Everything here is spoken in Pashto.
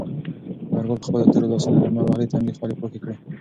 ثمر ګل په خپلو تورو لاسونو د لمر وهلي تندي خولې پاکې کړې.